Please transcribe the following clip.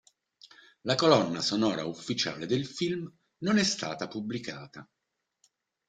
La colonna sonora ufficiale del film non è stata pubblicata.